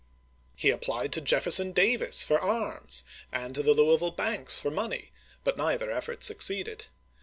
He ap plied to Jefferson Davis for arms, and to the Louis ville banks for money, but neither effort succeeded.